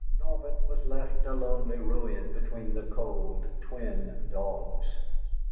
Norbert was left a lonely ruin between the cold, twin dogs.